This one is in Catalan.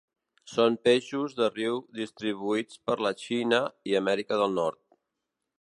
Són peixos de riu distribuïts per la Xina i Amèrica del Nord.